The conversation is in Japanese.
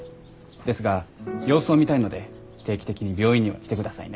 ですが様子を見たいので定期的に病院には来てくださいね。